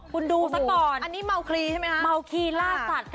คุณดูซะก่อนอันนี้เมาคลีใช่ไหมคะเมาคลีล่าสัตว์ค่ะ